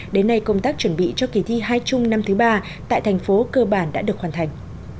đến nay công tác chuẩn bị cho kỳ thi hai chung năm thứ ba tại thành phố cơ bản đã được hoàn thành